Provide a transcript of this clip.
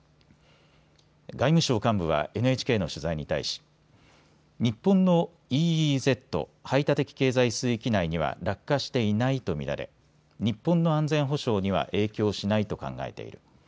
外務省幹部はＮＨＫの取材に対し日本のＥＥＺ・排他的経済水域内には落下していないと見られ日本の安全保障には影響しないと考えている。